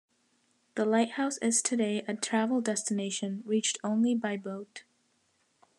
The lighthouse is today a travel destination, reached only by boat.